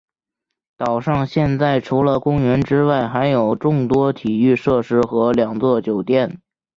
岛上现在除了公园之外还有众多体育设施和两座酒店。